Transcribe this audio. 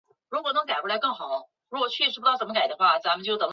日本足球协会资料